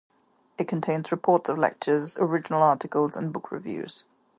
It contains reports of lectures, original articles, and book reviews.